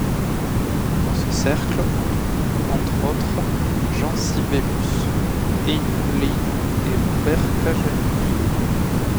Dans ce cercle, on trouve entre autres Jean Sibelius, Eino Leino et Robert Kajanus.